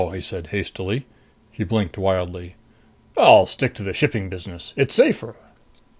he said hastily. He blinked wildly. "I'll stick to the shipping business. It's safer."